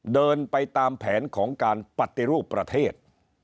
เดินไปตามแผนของการปฏิรูปประเทศ